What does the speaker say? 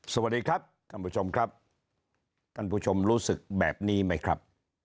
สวัสดีครับท่านผู้ชมครับท่านผู้ชมรู้สึกแบบนี้ไหมครับ